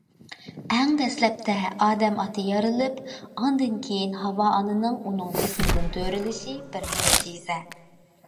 ئەڭ دەسلەپتە ئادەم ئاتا يارىلىپ، ئاندىن كېيىن ھاۋا ئانىنىڭ ئۇنىڭ جىسمىدىن تۆرىلىشى بىر مۆجىزە.